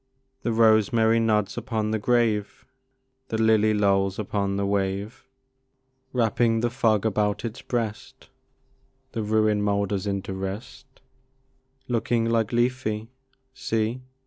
The rosemary nods upon the grave; The lily lolls upon the wave; Wrapping the fog about its breast, The ruin moulders into rest; Looking like Lethe, see!